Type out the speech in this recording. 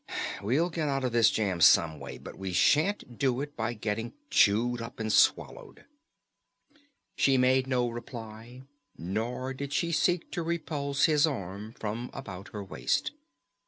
We'll get out of this jam some way, but we shan't do it by getting chewed up and swallowed." She made no reply, nor did she seek to repulse his arm from about her waist.